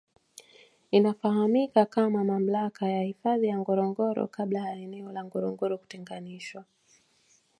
Inafahamika kama mamlaka ya hifadhi ya Ngorongoro kabla ya eneo la Ngorongoro kutenganishwa